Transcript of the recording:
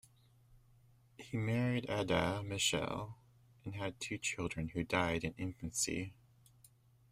He married Adah Michell and had two children who died in infancy.